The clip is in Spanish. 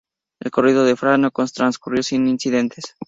El recorrido de Frank no transcurrió sin incidentes.